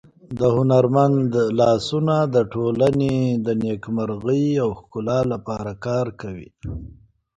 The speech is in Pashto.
د هنرمند لاسونه د ټولنې د نېکمرغۍ او ښکلا لپاره کار کوي.